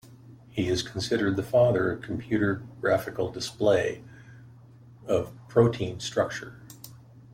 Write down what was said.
He is considered the father of computer graphical display of protein structure.